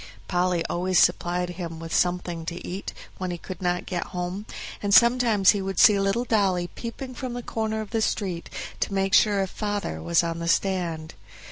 Polly always supplied him with something to eat when he could not get home, and sometimes he would see little Dolly peeping from the corner of the street, to make sure if "father" was on the stand.